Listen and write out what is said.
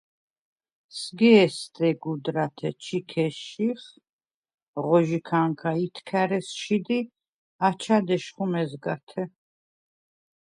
სგ’ე̄სდე გუდრათე ჩიქე შიხ, ღო ჟიქა̄ნქა ითქა̈რ ესშიდ ი აჩა̈დ ეშხუ მეზგათე.